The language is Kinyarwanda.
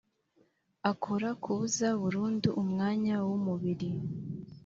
akora kubuza burundu umwanya w umubiri